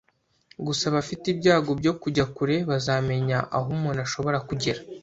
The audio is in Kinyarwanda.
Gusa abafite ibyago byo kujya kure bazamenya aho umuntu ashobora kugera.